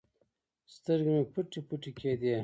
سترګې مې پټې پټې کېدې.